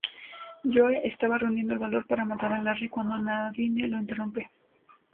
Joe estaba reuniendo el valor para matar a Larry cuando Nadine lo interrumpe.